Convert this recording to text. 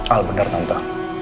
al benar tante